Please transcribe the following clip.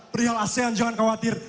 perihal asean jangan khawatir